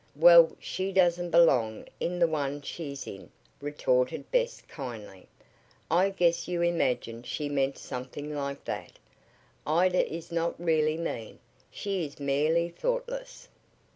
"Well, she doesn't belong in the one she's in," retorted Bess kindly. "I guess you imagine she meant something like that. Ida is not really mean. She is merely thoughtless."